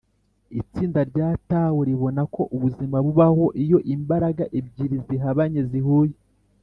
itsinda rya tao ribona ko ubuzima bubaho iyo imbaraga ebyiri zihabanye zihuye,